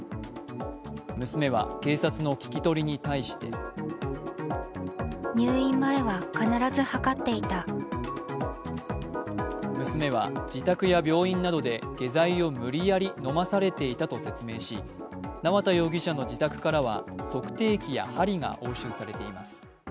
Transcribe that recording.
娘は、警察の聞き取りに対して娘は自宅や病院などで下剤を無理やり飲まされていたと説明し、縄田容疑者の自宅からは測定器や針が押収されています。